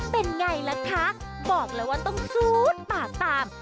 เป็นไงล่ะคะบอกเลยว่าต้องซูดปากตาม